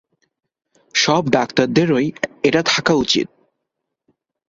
সব ডাক্তারদেরই এটা থাকা উচিৎ।